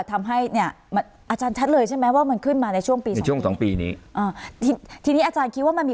ทำให้เนี่ยอาจารย์ชัดเลยใช่ไหมว่ามันขึ้นมาในช่วงปี๒ปีนี้